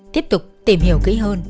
tiếp tục tìm hiểu kỹ hơn